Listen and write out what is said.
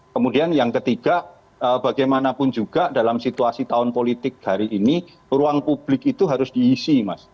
kemudian yang ketiga bagaimanapun juga dalam situasi tahun politik hari ini ruang publik itu harus diisi mas